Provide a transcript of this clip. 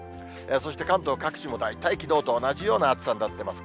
そして、関東各地も大体きのうと同じような暑さになってます。